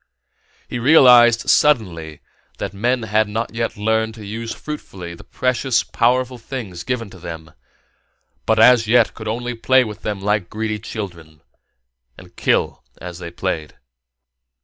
He realized, suddenly, that men had not yet learned to use fruitfully the precious, powerful things given to them, but as yet could only play with them like greedy children and kill as they played.